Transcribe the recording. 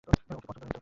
ওকে পছন্দ হয়েছে।